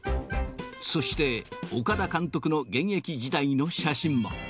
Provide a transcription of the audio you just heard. そして、岡田監督の現役時代の写真も。